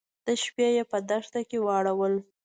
د شپې يې په دښته کې واړول.